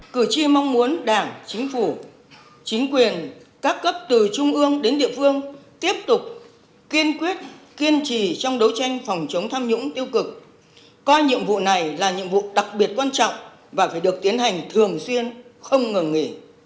cử tri mong muốn đảng chính phủ chính quyền các cấp từ trung ương đến địa phương tiếp tục kiên quyết kiên trì trong đấu tranh phòng chống tham nhũng tiêu cực coi nhiệm vụ này là nhiệm vụ đặc biệt quan trọng và phải được tiến hành thường xuyên không ngừng nghỉ